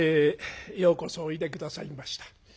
ようこそおいで下さいました。